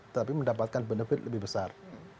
tapi mendapatkan benefit lebih besar